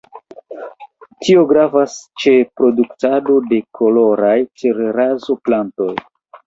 Tio gravas ĉe produktado de koloraj terrazzo-platoj.